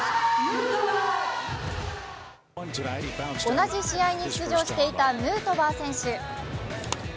同じ試合に出場していたヌートバー選手。